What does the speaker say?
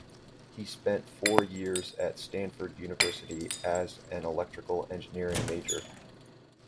He spent four years at Stanford University as an electrical engineering major.